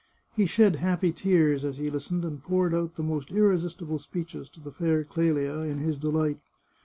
He shed happy tears as he listened, and poured out the most irresistible speeches to the fair Clelia in his delight.